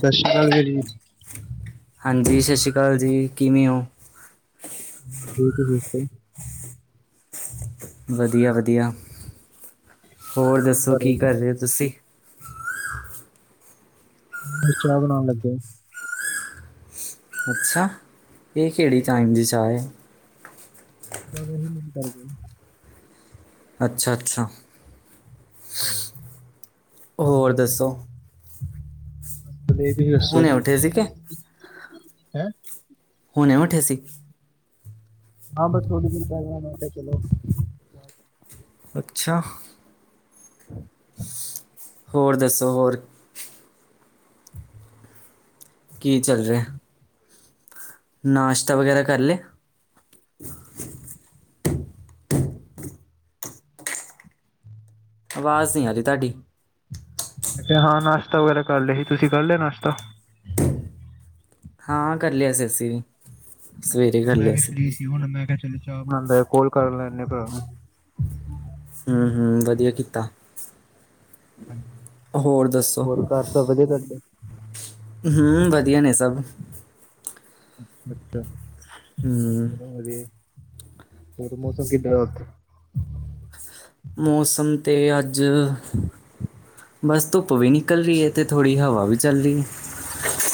ਸਸ਼੍ਰੀ ਕਾਲ [unintelligible] ਹਾਂਜੀ ਸਸ਼੍ਰੀ ਕਾਲ ਜੀ, ਕਿਵੇਂ ਓ ਦੀ ਤੁਸੀ ਦਸੋਂ। ਵਧੀਆ-ਵਧੀਆ, ਹੋਰ ਦੱਸੋ ਕਰ ਰਹੇ ਕੀ ਜੀ ਕੱਰ ਰੇ ਓ ਤੁਸੀਂ ਚਾ ਬਣਾਣ ਲੱਗੇ ਅੱਛਾ, ਏ ਕੇੜੀ ਟਾਈਮ ਦੀ ਚਾ ਐ? [unintelligible] ਮਨ ਕਾਰਕੇ ਅੱਛਾ-ਅੱਛਾ [inaudible] ਹੋਰ ਦੱਸੋ ਰੇਵੀ ਅਸੋ, ਹੁਣੇ ਉੱਠੇ ਸੀ ਕਿ ੲੈ ਹੁਣੇ ਉਠੇ ਸੀ ਆ, ਬਸ ਥੋੜੀ ਦੇਰ ਪੈ ਜਾ, ਮੈ ਫੇਰ ਚਲੋ। ਅੱਛਾ ਹੋਰ ਦੱਸੋ ਹੋਰ [inaudible] ਕੀ ਚਲ ਰੇਐ ਨਾਸ਼ਤਾ ਵਗੈਰਾ ਕੱਰ ਲੇਆ ਅਵਾਜ਼ ਨੀ ਆ ਰੀ ਤਾਡੀ ਅਛਾ ਹਾਂ ਨਾਸ਼ਤਾ ਵਗੈਰਾ ਕੱਰ ਲਏ ਹੀ, ਤੁਸੀ ਕੱਰ ਲੇਆ ਨਾਸ਼ਤਾ? ਹਾਂ ਕਰ ਲੇਆ ਅਸੀ, ਸਵੇਰੇ ਕਰ ਮੈਂ ਲੇਆ ਵੀ ਸੀ ਫ੍ਰੀ ਹੁਣ ਮੈਂ ਕੇਆ ਚਲ ਚਾ ਬਦੇ ਕੋਲ ਕੱਰ ਲੈਣੇ ਭਰਾ ਨੂੰ ਹੂੰ-ਹੂੰ ਵਧੀਆ ਕੀਤਾ ਹੋਰ ਦੱਸੋ ਹੋਰ ਘੱਰ ਸਭ ਵਧੀਆ ਤਵਾਡੇ ਹੂੰ ਵਧੀਆ ਨੇ ਸਭ ਅਛਾ-ਅਛਾ ਹੂੰ ਵਧੀਆ ਯੀ, ਹੋਰ ਮੌਸਮ ਕਿੱਦਾਂ ਦਾ ਓਥੇ ਮੌਸਮ ਤੇ ਅੱਜ ਬਸ ਤੁਪ ਵੀ ਨਿਕਲ ਰੀ ਏ ਤੇ ਥੋੜੀ ਹਵਾ ਵੀ ਚੱਲ ਰੀ ਏ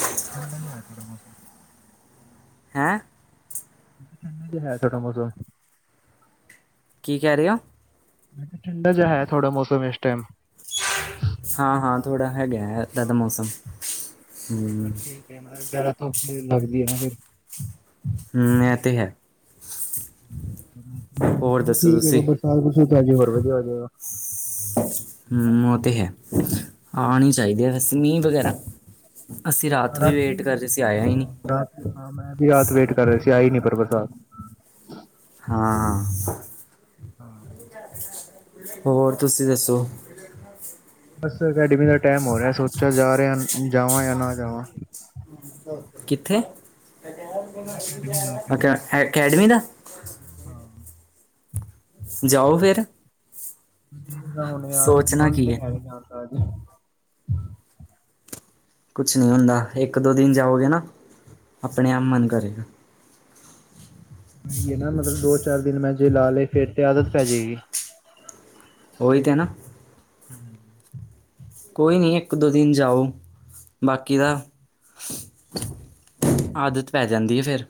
ਹਾਂ, ਠੰਡਾ ਜੇਐ ਥੋੜਾ ਮੌਸਮ। ਹੈਂ? ਠੰਡਾ ਜਿਹਾ ਹੈ ਥੋੜਾ ਮੌਸਮ। ਕੀ ਕਹਿ ਰਹੇ ਹੋ? ਮੈਂ ਕਿਆ ਠੰਡਾ ਜਿਹਾ ਹੈ ਥੋੜਾ ਮੌਸਮ ਇਸ ਟੈਮ। ਹਾਂ ਹਾਂ ਥੋੜ੍ਹਾ ਹੈਗਾ ਐ ਏਦਾਂ ਦਾ ਹਾਂ ਮੌਸਮ ਪਰ ਹੂੰ। ਠੀਕ ਮਤਲਬ ਜ਼ਿਆਦਾ ਧੁੱਪ ਫਿਰ ਲੱਗਦੀ ਆ ਨਾ ਫਿਰ। ਹੂੰ ਐ ਤੇ ਹੈ। ਹੋਰ ਦੱਸੋ ਠੀਕ ਐ ਤੁਸੀਂ ਬਰਸਾਤ ਬਰਸੂਤ ਹੋਜੇ ਹੋਰ ਵਧੀਆ ਹੋ ਜਾਏਗਾ। ਹੂੰ ਉਹ ਤੇ ਹੈ, ਆਣੀ ਚਾਹੀਦੀ ਬਸ ਮੀਂਹ ਵਗੈਰਾ। ਅਸੀਂ ਰਾਤ ਵੀ ਰਾਤੀ ਵੇਟ ਕਰਦੇ ਸੀ ਆਇਆ ਨੀ। ਹਾਂ ਰਾਤ ਹਾਂ ਮੈਂ ਵੀ ਰਾਤ ਵੇਟ ਕਰ ਰਿਹਾ ਸੀ ਆਈ ਨੀ ਪਰ ਬਰਸਾਤ। ਹਾਂ ਹਾਂ। ਹਾਂ। ਹੋਰ ਤੁਸੀਂ ਦੱਸੋ? ਬਸ ਅਕੈਡਮੀ ਦਾ ਟਾਈਮ ਹੋ ਰਿਹਾ, ਸੋਚਿਆ ਜਾ ਰਿਹਾ ਜਾਵਾ ਜਾਂ ਨਾ ਜਾਵਾ। ਕਿੱਥੇ, ਅਕੈਡਮੀ ਦਾ ਅਕੈ ਅਕੈਡਮੀ। ਅਕੈਡਮੀ ਦਾ? ਹਾਂ। ਜਾਓ ਫੇਰ। ਦੇਖਦਾ ਹੁਣ ਯਾਰ ਸੋਚਣਾ ਮੰਨ ਕੀ ਤੇ ਹੈ ਹੀ ਨੀ ਜਾਣ ਦਾ ਅੱਜ। ਕੁਛ ਨੀ ਹੁੰਦਾ, ਇੱਕ ਦੋ ਦਿਨ ਜਾਓਗੇ ਨਾ ਆਪਣੇ ਆਪ ਹਾਂ। ਮੰਨ ਕਰੇਗਾ। ਓਹੀ ਐ ਨਾ ਮਤਲਬ ਦੋ ਚਾਰ ਦਿਨ ਮੈਂ ਜੇ ਲਾ ਲਏ ਫੇਰ ਤੇ ਆਦਤ ਪੈ ਜਾਏਗੀ। ਓਹੀ ਤੇ ਨਾ। ਹੂੰ। ਕੋਈ ਨਹੀਂ ਇੱਕ ਦੋ ਦਿਨ ਜਾਓ, ਬਾਕੀ ਦਾ ਆਦਤ ਪੈ ਜਾਂਦੀ ਏ ਫੇਰ।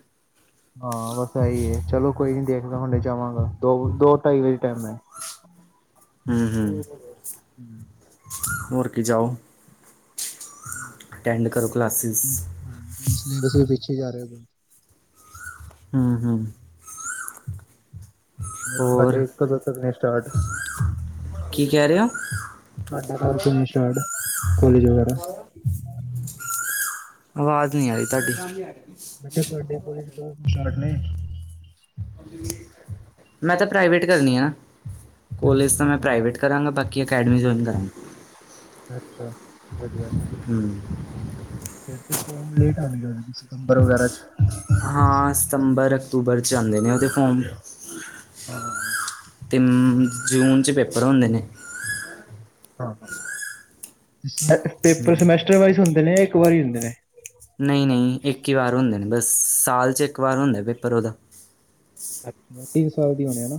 ਹਾਂ ਬਸ ਐਹੀ ਐ ਚਲੋ ਕੋਈ ਨੀ ਦੇਖਦਾ ਹੁਣੇ ਜਾਵਾਂਗਾ, ਦੋ-ਦੋ ਢਾਈ ਵਜੇ ਟੈਮ ਐ। ਹੂੰ ਹੂੰ, ਹੂੰ। ਹੋਰ ਕੀ ਜਾਓ। ਅਟੈਂਡ ਕਰੋ ਕਲਾਸਿਸ। ਹੂੰ, ਹਾਂ ਸਿਲੇਬਸ ਵੀ ਪਿੱਛੇ ਜਾ ਰਿਹਾ। ਹੂੰ ਹੂੰ। ਹੋਰ ਤੁਹਾਡੇ ਕਦੋਂ ਤੱਕ ਨੇ ਸਟਾਰਟ? ਕੀ ਕਹਿ ਰਹੇ ਹੋ? ਤੁਹਾਡੇ ਕਦੋਂ ਤੱਕ ਨੇ ਸਟਾਰਟ ਕੋਲੇਜ ਵਗੈਰਾ‌? ਆਵਾਜ਼ ਨਹੀਂ ਆਈ ਤੁਹਾਡੀ। ਮੈਂ ਕਿਹਾ ਤੁਹਾਡੇ ਕੋਲਜ ਕਦੋਂ ਤੋਂ ਸਟਾਰਟ ਨੇ? ਮੈਂ ਤਾਂ ਪ੍ਰਾਈਵੇਟ ਕਰਨੀ ਆ, ਕੋਲੇਜ ਅੱਛਾ ਤਾਂ ਮੈਂ ਅੱਛਾ ਪ੍ਰਾਈਵੇਟ ਕਰਾਂਗਾ ਬਾਕੀ ਬਾਕੀ ਅਕੈਡਮੀ ਜੋਇਨ ਕਰਾਂਗਾ। ਅੱਛਾ, ਵਧੀਆ ਗੱਲ। ਹੂੰ। ਫਿਰ ਤੇ ਫੋਮ ਲੇਟ ਆਣਗੇ ਸਤੰਬਰ ਵਗੈਰਾ ਚ। ਹਾਂ ਸਤੰਬਰ ਅਕਤੂਬਰ ਚ ਆਂਦੇ ਨੇ ਉਹਦੇ ਫੋਮ‌। ਹਾਂ ਹਾਂ ਤੇ ਜੂਨ ਚ ਪੇਪਰ ਹੁੰਦੇ ਨੇ‌। ਹਾਂ, ਪੇਪਰ ਹੂੰ ਸਮੈਸਟਰਜ਼ ਵਾਈਸ ਹੁੰਦੇ ਨੇ ਇੱਕ ਵਾਰੀ ਹੁੰਦੇ ਨੇ? ਨਈ ਨਈ ਇੱਕ ਹੀ ਵਾਰ ਹੁੰਦੇ ਨੇ ਬਸ, ਸਾਲ ਚ ਇੱਕ ਵਾਰ ਹੁੰਦਾ ਪੇਪਰ ਉਹਦਾ। ਅੱਛਾ, ਤਿੰਨ ਸਾਲ ਦੀ ਹੋਣੇ‌‌ ਨਾ।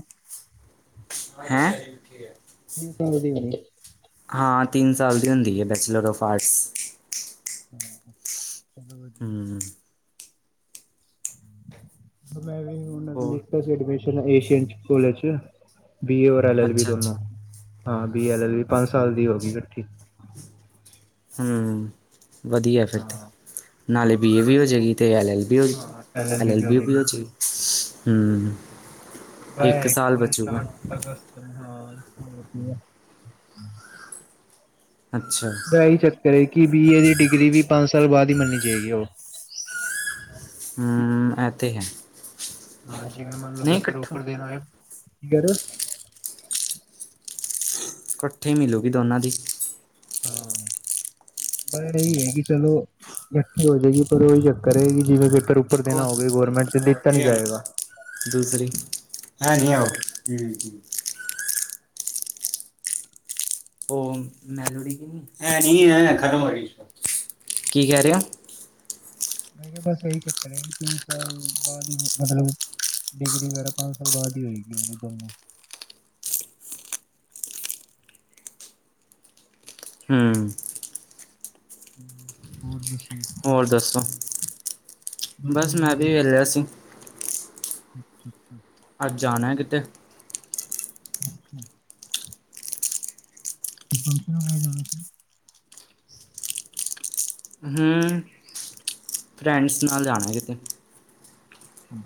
ਹੈਂ? ਕਿੱਥੇ ਹੈ? ਤਿੰਨ ਸਾਲ ਦੀ ਹੋਣੀ? ਹਾਂ ਤਿੰਨ ਸਾਲ ਦੀ ਹੁੰਦੀ ਹੈ ਬੈਚਲਰ ਆਫ ਆਰਟਸ। ਹਾਂ ਚਲੋ ਵਦੀਆ। ਹਮ ਮੈ ਵੀ ਹੁਨ ਹੋਰ ਲਿੱਤਾ ਸੀ ਐਡਮਿਸ਼ਨ ਏਸ਼ੀਅਨ ਕੋਲੇਜ ਚ। ਬੀ ਏ ਔਰ ਐਲ ਐਲ ਬੀ ਅੱਛਾ ਦੋਨੋ, ਅੱਛਾ ਹਾਂ ਬੀਏ ਐਲ ਐਲ ਬੀ ਪੰਜ ਸਾਲ ਦੀ ਹੋ ਗਈ ਇਕੱਠੀ। ਹੂੰ, ਵਦੀਆ ਫੇਰ ਤੇ। ਹਾਂ ਨਾਲੇ ਬੀ ਏ ਵੀ ਹੋ ਬਸ ਉਹ ਜਾਏਗੀ ਅਤੇ ਐੱਲ ਐੱਲ ਬੀ ਹੋ ਜਾਗੀ ਹਾਂ L L L L B ਵੀ ਹੋ ਜਾਏਗੀ ਜਾਵੇਗੀ। ਹੂੰ ਬਏ ਹੈ ਕਿ ਏਂਕ ਵਾਰੀ ਸਟਾਰਟ ਤੱਕ ਹਾਂ ਮਤਲਬ ਕੀ ਏ ਅੱਛਾ ਬੈ ਏਹੀ ਚੱਕਰ ਐ ਕਿ ਬੀ ਏ ਦੀ ਡਿਗਰੀ ਵੀ ਪੰਜ ਸਾਲ ਬਾਅਦ ਈ ਮਿਲਨੀ ਜਾਏਗੀ ਓ ਹਮ ਇਹ ਤੇ ਹੈ ਹਾਂ ਜਿਵੇਂ ਮੰਨ ਲਓ ਨਹੀਂ ਇਕੱਠਾ ਪੇਪਰ-ਪੂਪਰ ਦੇਣ ਆਏ ਕੀ ਕੈ ਰਏ ਓ? ਕੱਠੇ ਮਿਲੂਗੀ ਦੋਨਾਂ ਦੀ। ਹਾਂ, ਬੜ ਏਹੀ ਹੈਗੀ। ਚਲੋ ਇਕੱਠੀ ਹੋ ਜੇਗੀ ਪਰ ਓਹੀ ਚੱਕਰ ਹੈ ਗੀ ਜਿਵੇਂ ਓਪਰ ਇੱਕ ਦੇਣਾ ਹੋਰ ਹੋਵੇ ਗੌਰਮੈਂਟ ਤੇ ਦਿੱਤਾ ਨੀ ਜਾਏਗਾ। ਦੂਸਰੀ ਹੈ ਨਈ ਓ ਹੂੰ ਓ ਮੈਂਲੋੜੀ ਗੀ ਨੀ, ਹੈ ਨੀ ਅ ਖਤਮ ਹੋਈ ਦੀ ਸਬ, ਕੀ ਕੈ ਰਏ ਓ? ਮੈਂ ਕਿਆ ਬਸ ਏਹੀ ਚਕਰ ਏ ਕਿ ਤਿੰਨ ਸਾਲ ਬਾਦ ਈ ਮਤਲਬ ਡਿਗਰੀ ਵਗੈਰਾ ਪੰਜ ਸਾਲ ਬਾਦ ਈ ਹੋਏਗੀ ਓਦੇ ਦੋਨੋਂ ਹੂੰ ਹੂੰ ਹੋਰ ਦੱਸੀ ਹੋਰ ਦੱਸੋ, ਬਸ ਮੈਂ ਵੀ ਵੇਲਾ ਸੀ। [inaudible] ਅੱਜ ਜਾਨਾ ਏ ਕਿਤੇ। [inaudible] ਕੋਈ ਫੰਕਸ਼ਨ ਵਗੈਰਾ। ਹੂੰ ਫਰੈਂਡਸ ਨਾਲ ਜਾਨੈ ਕਿਤੇ। ਹੂੰ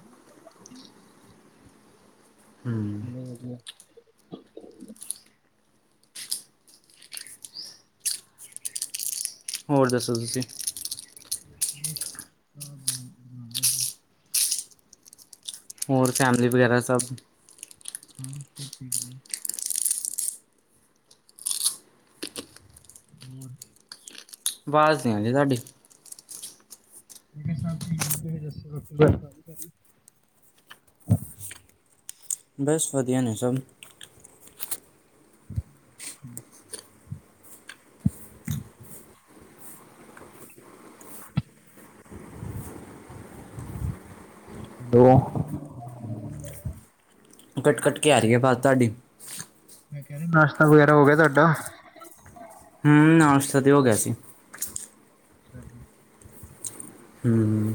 ਹੂੰ ਬਸ ਵਦੀਆ। ਹੋਰ ਦੱਸੋ ਤੁਸੀਂ? [inaudible] ਹੋਰ ਫੈਮਿਲੀ ਵਗੈਰਾ ਸਬ [inaudible] ਹੋਰ ਆਵਾਜ਼ ਨੀ ਆਦੀ ਤੁਆਡੀ [unintelligible] ਦੱਸੋ ਹਾਂਜੀ ਭਾਜੀ। ਬਸ ਵਦੀਆ ਨੇ ਸਬ। [inaudible] ਦੋ ਕੱਟ, ਕੱਟ ਕੇ ਆ ਰਈ ਐ ਵਾਜ ਤੁਆਡੀ। ਮੈਂ ਕੈ ਰਿਆ ਨਾਸ਼ਤਾ ਵਗੈਰਾ ਹੋ ਗਿਆ ਤੁਆਡਾ? ਹੂੰ ਨਾਸ਼ਤਾ ਤੇ ਹੋ ਗਿਆ ਸੀ [inaudible] ਹੂੰ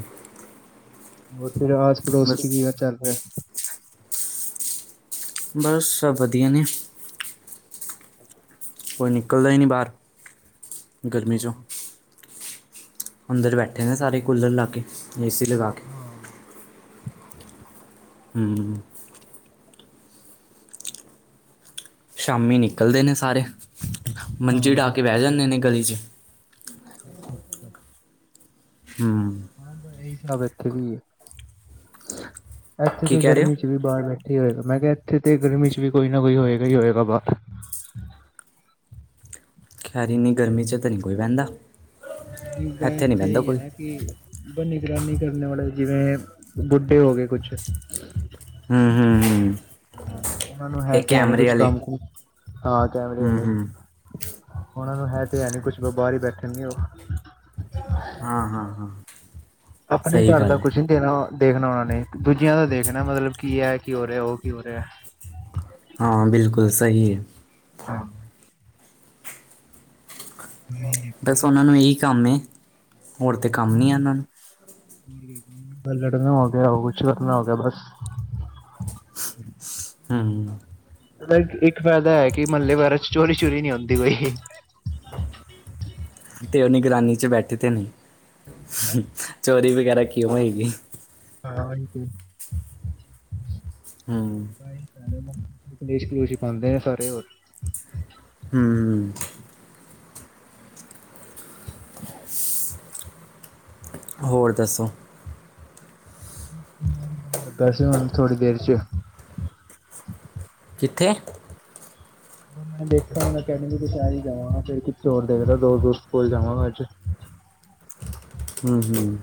ਹੋਰ ਫਿਰ ਆਸ ਪੜੋਸ ਚ ਬਸ ਕੀ ਗ ਚੱਲ ਰਿਯਾ ਬਸ ਸਭ ਵਧੀਆ ਨੇ ਕੋਈ ਨਿਕਲਦਾ ਹੀ ਨਹੀਂ ਬਾਹਰ ਗਰਮੀ ਚੋਂ ਹਾਂ ਅੰਦਰ ਬੈਠੇ ਨੇ ਸਾਰੇ ਕੂਲਰ ਲਾ ਕੇ ਏਸੀ ਲਗਾ ਕੇ ਹਾਂ ਹੂੰ ਸ਼ਾਮੀ ਨਿਕਲਦੇ ਨੇ ਸਾਰੇ ਮੰਜੀ ਹਾਂ ਡਾਹ ਹਾਂ ਕੇ ਬਹਿ ਜਾਂਦੇ ਨੇ ਗਲੀ 'ਚ ਅੱਛਾ। [inaudible] ਹੂੰ ਹਾਂ ਇਹੀ ਹਿਸਾਬ ਇੱਥੇ ਵੀ ਐ ਐਥੇ ਕੀ ਦੀ ਕਹਿ ਰਹੇ ਹੋ ਗਰਮੀ ਚ ਵੀ ਬਾਹਰ ਬੈਠੇ ਹੀ ਹੋਏਗਾ ਮੈਂ ਕਿਹਾ ਇੱਥੇ ਤੇ ਗਰਮੀ ਚ ਵੀ ਕੋਈ ਨਾ ਕੋਈ ਹੋਏਗਾ ਹੀ ਹੋਏਗਾ ਬਾਹਰ ਖੈਰੀ ਇੰਨੀ ਗਰਮੀ ਚ ਤੇ ਨਹੀਂ ਕੋਈ ਬਹਿੰਦਾ ਕੀ ਬ ਨਹੀਂ ਇੱਥੇ ਬਹਿੰਦਾ ਹੀ ਐ ਕੋਈ ਨਾ ਕਿ ਬ ਨਿਗਰਾਨੀ ਕਰਨੇ ਵਾਲੇ ਜਿਵੇਂ ਬੁੱਢੇ ਹੋ ਗਏ ਕੁਛ ਹਮਮਮ ਉਨਾਂ ਨੂੰ ਹੈ ਤੇ ਹੈ ਨਹੀਂ ਕੁਛ ਕੰਮ ਹਾਂ ਕੈਮਰੇ ਹੂੰ ਵਾਲੇ ਹੂੰ ਉਹਨਾਂ ਨੂੰ ਹੈ ਤੇ ਹੈ ਨੀ ਕੁਛ ਬਸ ਬਾਰ ਹੀ ਬੈਠਣਗੇ ਉਹ ਹਾਂ ਹਾਂ ਹਾਂ ਅਪਣੇ ਸਹੀ ਘਰ ਦਾ ਗੱਲ ਕੁਛ ਹੈ ਦੇਖਨਾ ਦੇਖਨਾ ਉਨਾਂ ਨੇ ਦੂਜਿਆਂ ਦਾ ਦੇਖਣਾ ਮਤਲਬ ਕੀ ਹੈ ਕੀ ਹੋ ਰਿਹਾ ਉਹ ਕੀ ਹੋ ਰਿਹਾ ਐ ਹਾਂ ਬਿਲਕੁਲ ਸਹੀ ਐ [unintelligible] ਬਸ ਉਹਨਾਂ ਨੂੰ ਇਹੀ ਕੰਮ ਹੈ ਹੋਰ ਤੇ ਕੰਮ ਨੀਂ ਇੰਨਾ ਨੂੰ ਬ ਲੜਨਾ ਹੋ ਗਿਆ ਹੋ ਕੁਛ ਕਰਨਾ ਹੋ ਗਿਆ ਬਸ ਹਮ ਐਦਾ ਇੱਕ ਇੱਕ ਫਾਇਦਾ ਹੈ ਕਿ ਮਹੱਲੇ ਵਗੈਰਾ ਚ ਚੋਰੀ ਚੂਰੀ ਨੀ ਹੁੰਦੀ ਕੋਈ ਤੇ ਉਹ ਨਿਗਰਾਨੀ ਚ ਬੈਠੇ ਤੇ ਨ ਚੋਰੀ ਵਗੈਰਾ ਕਿਉਂ ਹੋਏਗੀ ਹਾਂ ਅੰਟੀ। [unintelligible] ਹਮ ਕਲੇਸ਼ ਕਲੂਸ਼ ਹੀ ਪਾਂਦੇ ਨੇ ਸਾਰੇ ਹੋਰ ਹਮ ਹੋਰ ਦੱਸੋ ਲਗਾ ਸੀ ਹੁਣ ਥੋੜੀ ਦੇਰ ਚ ਕਿੱਥੇ ਮੈਂ ਦੇਖਾਂਗਾ ਅਕੈਡਮੀ ਦੇ ਸਾਈਡ ਜਾਵਾਂ ਫਿਰ ਕੁਛ ਹੋਰ ਦੇਰ ਤਕ ਦੋ ਦੋਸਤ ਕੌਲ ਜਾਵਾਂਗਾ ਅੱਜ ਹਮ ਹਮ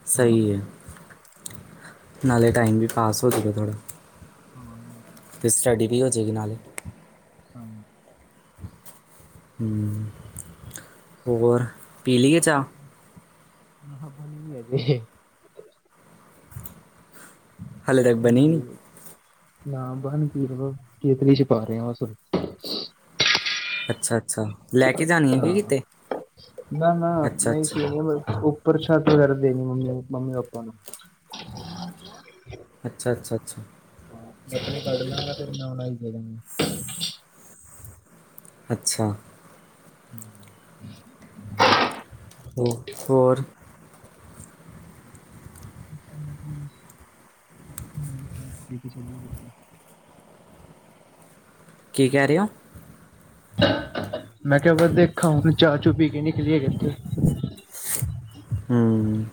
ਹਾਂ ਸਹੀ ਐ ਨਾਲੇ ਟਾਈਮ ਵੀ ਪਾਸ ਹੋ ਜੇਗਾ ਥੋੜ੍ਹਾ ਹਮ। [unintelligible] ਤੇ ਸਟੱਡੀ ਵੀ ਹੋ ਜੇਗੀ ਨਾਲੇ ਹੂੰ ਹੋਰ ਪੀ ਲਈ ਐ ਚਾਹ ਹਾਂ, ਬਣ ਰੀ ਹਜੇ ਹੈ [unintelligible] ਹਾਲੇ ਤੱਕ ਬਣ ਬਣੀ ਨਹੀਂ ਨਾ ਬਣ ਕੀ [unintelligible] ਕੇਤਲੀ ਚ ਪਾ ਰਿਹਾ ਅੱਛਾ-ਅੱਛਾ। ਹਾਂ ਨਾ-ਨਾ ਅੱਛਾ ਨਈ ਅੱਛਾ ਸੁ ਪ੍ਰਸ਼ਾਦ ਵਗੈਰਾ ਦੇਨੀ ਮੰਮੀ ਮੰਮੀ ਪਾਪਾ ਨੂੰ। ਅੱਛਾ-ਅੱਛਾ-ਅੱਛਾ। ਮੈਂ ਆਪਣੇ ਕੱਢ ਲਾਂਗਾ ਫਿਰ ਨ ਉਣਾਈ ਦੇਦਾਂਗੇ। ਅੱਛਾ। ਹੂੰ। ਓ ਹੋਰ। [inaudible] ਕੀ ਕੈ ਰੇ ਓ? ਮੈਂ ਕੇਆ ਫੇਰ ਦੇਖਾਂ ਹੁਨ ਚਾ ਚੂ ਪੀ ਕੇ ਨਿਕਲੀਏ ਕਿਤੇ। ਹੂੰ।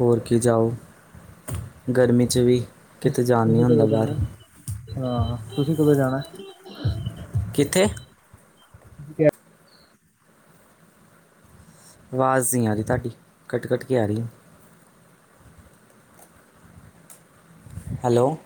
ਹੋਰ ਕੀ ਜਾਓ, ਗਰਮੀ ਚ ਵੀ ਕਿਤੇ ਜਾਣ ਨੀ ਤੁਸੀਂ ਹੁੰਦਾ ਕਦੋਂ ਬਾਰ। ਜਾਣਾ ਹਾਂ, ਤੁਸੀ ਕਦੋ ਜਾਣਾ ਐ? ਕਿੱਥੇ? ਤੁਸੀਂ ਕਿਹਾ ਵਾਜ਼ ਨੀ ਆ ਰੀ ਤਾਡੀ ਕੱਟ -ਕੱਟ ਕੇ ਆ ਰੀ ਐ। ਹੈਲੋ।